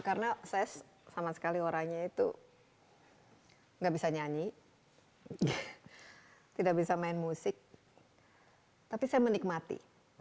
karena saya sama sekali orangnya itu nggak bisa nyanyi tidak bisa main musik tapi saya menikmati